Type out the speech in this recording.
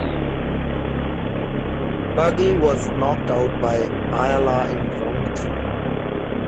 Cargle was knocked out by Ayala in round three.